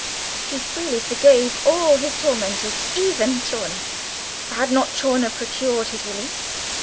He freely forgave all his tormentors, even Chawner for had not Chawner procured his release?